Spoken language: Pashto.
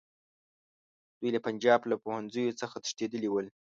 دوی له پنجاب له پوهنځیو څخه تښتېدلي ول.